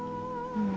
うん。